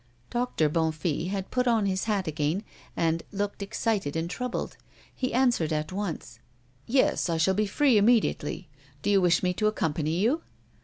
Doctor Bonnefille had put on his hat again, and looked excited and troubled. He answered at once: "Yes, I shall be free immediately. Do you wish me to accompany you?"